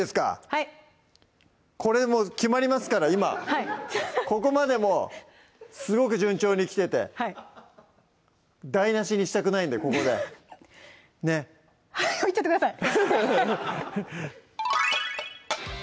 はいこれもう決まりますから今ここまでもうすごく順調にきてて台なしにしたくないんでここでねっ早よいっちゃってください